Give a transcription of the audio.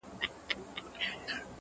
و قاضي صاحب ته ور کړې زر دیناره,